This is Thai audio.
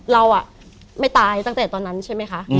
เราไม่ตายตั้งแต่ตอนนั้นใช่ไหมคะ